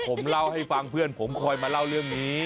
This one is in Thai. ผมเล่าให้ฟังเพื่อนผมคอยมาเล่าเรื่องนี้